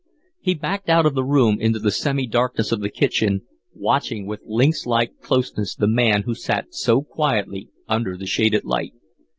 He backed out of the room into the semi darkness of the kitchen, watching with lynx like closeness the man who sat so quietly under the shaded light.